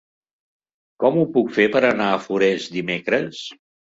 Com ho puc fer per anar a Forès dimecres?